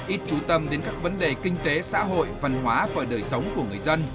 ít trú tâm đến các vấn đề kinh tế xã hội văn hóa và đời sống của người dân